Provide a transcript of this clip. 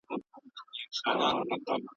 هر انسان یو ځانګړی شخصیت او هویت لري.